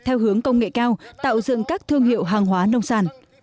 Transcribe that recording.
theo hướng công nghệ cao tạo dựng các thương hiệu hàng hóa nông sản